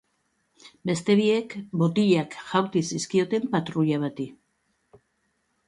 Beste biek, botilak jaurti zizkioten patruila bati.